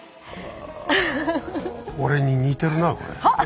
俺に似てるなこれ。